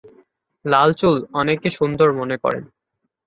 লাল চুল অনেকে সুন্দর মনে করেন।